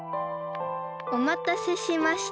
おまたせしました。